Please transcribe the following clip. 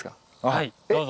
はいどうぞ。